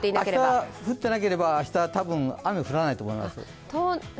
明日、降っていなければ、明日多分雨は降らないと思います。